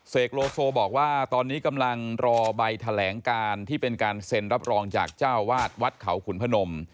โลโซบอกว่าตอนนี้กำลังรอใบแถลงการที่เป็นการเซ็นรับรองจากเจ้าวาดวัดเขาขุนพนม